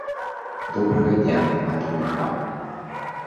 Добрага дня, матуля, вам.